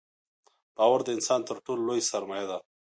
• باور د انسان تر ټولو لوی سرمایه ده.